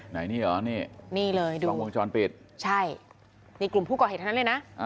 ไหนนี่เหรอนี่สองวงช้อนปิดใช่มีกลุ่มผู้ก่อเหตุทั้งนั้นเลยนะ